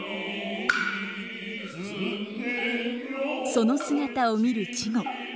その姿を見る稚児。